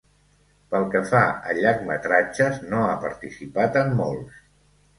Pel que fa a llargmetratges no ha participat en molts.